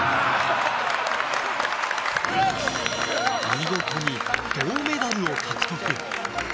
見事に銅メダルを獲得。